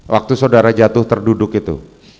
waktu saudara jatuh terduduk itu